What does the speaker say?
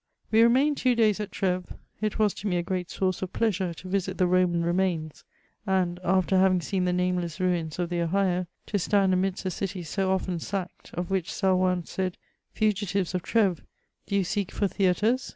We remained two days at Treves. It was to me a gfreat source of pleasure to visit the Roman remains ; and, after having seen the nameless ruins of the Ohio, to stand amidst a city so often sacked, of which Saluan said :—Fugitives of Treves, do you seek for theatres